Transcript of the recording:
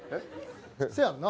せやんな。